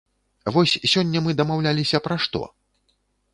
Вось сёння мы дамаўляліся пра што?